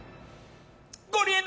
ゴリエの！